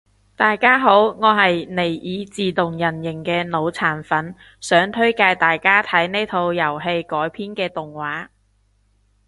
大家好我係尼爾自動人形嘅腦殘粉，想推介大家睇呢套遊戲改編嘅動畫